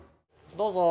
どうぞ。